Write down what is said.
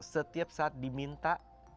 setiap saat diminta